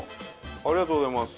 ありがとうございます。